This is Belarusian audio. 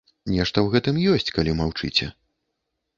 Нешта ў гэтым ёсць, калі маўчыце.